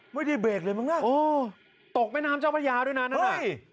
ไม่ได้เบรกเลยมั้งน่ะโอ้ตกแม่น้ำเจ้าพระยาด้วยนั้นน่ะเฮ้ย